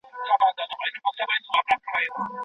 مولده پانګه د دوراني پانګي په څیر اړینه ده.